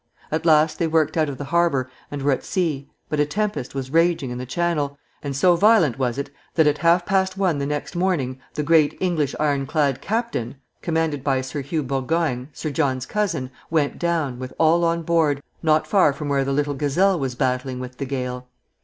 At last they worked out of the harbor and were at sea; but a tempest was raging in the Channel, and so violent was it that at half past one the next morning the great English ironclad "Captain," commanded by Sir Hugh Burgoyne, Sir John's cousin, went down, with all on board, not far from where the little "Gazelle" was battling with the gale.